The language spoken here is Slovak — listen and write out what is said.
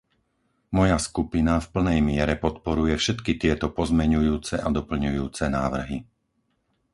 Moja skupina v plnej miere podporuje všetky tieto pozmeňujúce a doplňujúce návrhy.